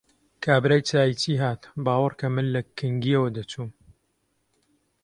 کابرای چاییچی هات، باوەڕ کە من لە کنگیەوە دەچووم!